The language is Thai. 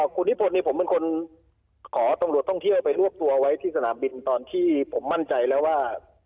คุณนิพนธ์ผมเป็นคนขอตำรวจท่องเที่ยวไปรวบตัวไว้ที่สนามบินตอนที่ผมมั่นใจแล้วว่า